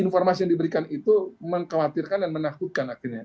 informasi yang diberikan itu mengkhawatirkan dan menakutkan akhirnya